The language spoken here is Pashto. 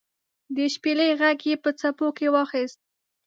د شپیلۍ ږغ یې په څپو کې واخیست